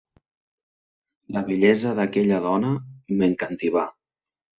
La bellesa d'aquella dona m'encativà!